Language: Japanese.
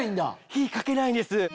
火かけないんです。